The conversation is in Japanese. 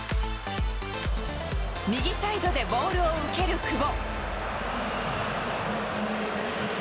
右サイドでボールを受ける久保。